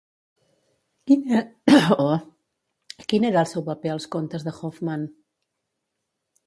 Quin era el seu paper als Contes de Hoffmann?